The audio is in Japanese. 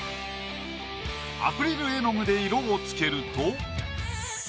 アクリル絵の具で色をつけると。